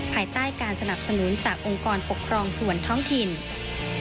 ภายใต้การสนับสนุนจากองค์กรปกครองส่วนท้องถิ่น